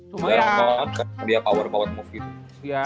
darah banget kan dia power banget move gitu